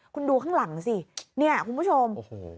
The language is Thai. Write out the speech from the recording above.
คุณดูข้างหลังสิเนี่ยคุณผู้ชมโอ้โห